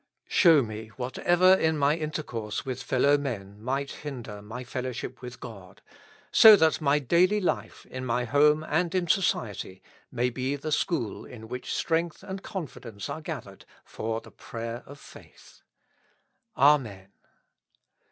Show me whatever in my intercourse with fellow men might hinder my fellowship with God, so that my daily life in my own home and in society may be the school in which strength and confidence are gathered for the prayer of faith. Amen.